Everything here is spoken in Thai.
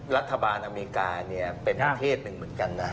อเมริกาเป็นประเทศหนึ่งเหมือนกันนะ